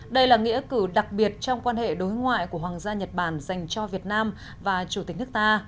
đây là nghĩa cử đặc biệt trong quan hệ đối ngoại của hoàng gia nhật bản dành cho việt nam và chủ tịch nước ta